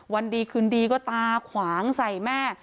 วันดีคืนดีก็ตาขวางใส่แม่